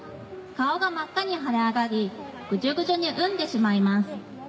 顔が真っ赤に腫れ上がりグジュグジュに膿んでしまいます。